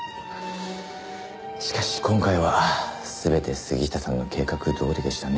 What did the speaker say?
しかし今回は全て杉下さんの計画どおりでしたね。